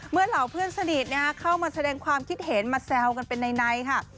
เหล่าเพื่อนสนิทเข้ามาแสดงความคิดเห็นมาแซวกันเป็นในค่ะ